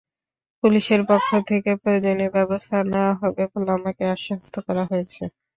পুলিশের পক্ষ থেকে প্রয়োজনীয় ব্যবস্থা নেওয়া হবে বলে আমাকে আশ্বস্ত করা হয়েছে।